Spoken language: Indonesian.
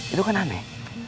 itu kan aneh